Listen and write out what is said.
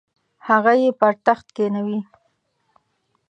هغه یې پر تخت کښینوي.